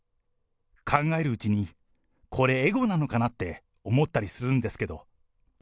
考えるうちに、これ、エゴなのかなって思ったりするんですけど。